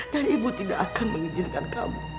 dan ibu tidak akan mengizinkan kamu